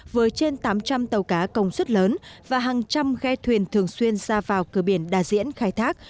với trên tám trăm linh tàu cá công suất lớn và hàng trăm ghe thuyền thường xuyên ra vào cửa biển đà diễn khai thác